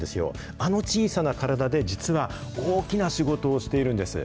あの小さな体で、実は大きな仕事をしているんです。